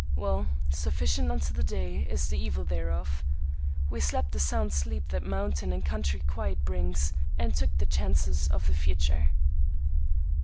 Well, sufficient unto the day is the evil thereof. We slept the sound sleep that mountain and country quiet brings, and took the chances of the future.